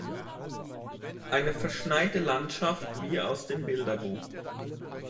Eine verschneite Landschaft wie aus dem Bilderbuch.